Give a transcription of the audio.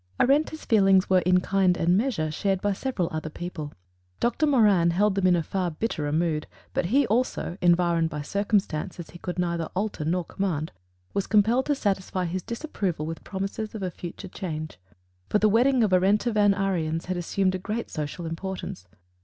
Arenta's feelings were in kind and measure shared by several other people; Doctor Moran held them in a far bitterer mood; but he, also, environed by circumstances he could neither alter nor command, was compelled to satisfy his disapproval with promises of a future change. For the wedding of Arenta Van Ariens had assumed a great social importance.